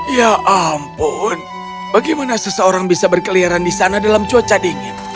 ya ampun bagaimana seseorang bisa berkeliaran di sana dalam cuaca dingin